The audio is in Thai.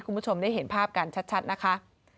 คุณผู้ชมได้เห็นภาพกันชัดนะคะ